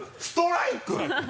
ストライク！？